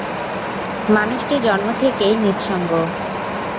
মানুষটি জন্ম থেকেই নিঃসঙ্গ।